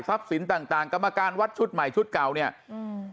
สินต่างต่างกรรมการวัดชุดใหม่ชุดเก่าเนี้ยอืม